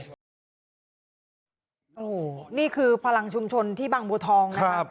โอ้โหนี่คือพลังชุมชนที่บางบัวทองนะครับ